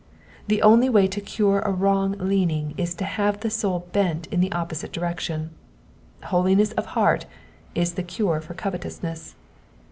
The only way to cure a %vrong leaning is to have the soul bent in the opposite direction. Holiness of heart is the cure for covetousness.